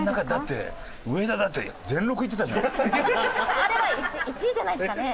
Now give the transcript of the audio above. あれは１位じゃないですかね。